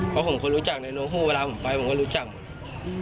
เพราะผมเคยรู้จักในโนหู้เวลาผมไปผมก็รู้จักหมด